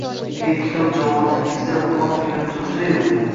Agar kitob javoningizda “Qur’oni karim” tursa-yu